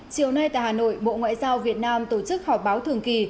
chiều nay tại hà nội bộ ngoại giao việt nam tổ chức họp báo thường kỳ